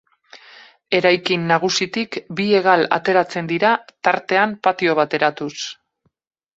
Eraikin nagusitik bi hegal ateratzen dira tartean patio bat eratuz.